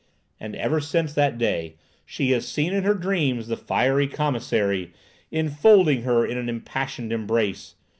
And ever since that day she has seen in her dreams the fiery commissary, enfolding her in an impassioned embrace!